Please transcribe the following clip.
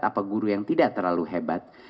apa guru yang tidak terlalu hebat